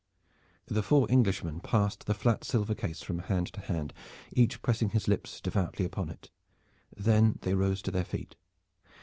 The four Englishmen passed the flat silver case from hand to hand, each pressing his lips devoutly upon it. Then they rose to their feet.